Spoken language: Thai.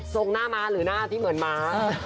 หน้าม้าหรือหน้าที่เหมือนม้า